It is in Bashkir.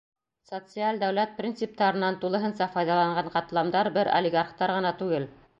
Социаль дәүләт принциптарынан тулыһынса файҙаланған ҡатламдар бер олигархтар ғына түгел.